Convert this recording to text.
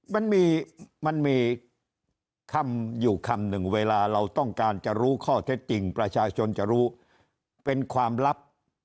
มันมีมันมีคำอยู่คำหนึ่งเวลาเราต้องการจะรู้ข้อเท็จจริงประชาชนจะรู้เป็นความลับ